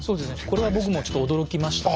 これは僕もちょっと驚きましたね。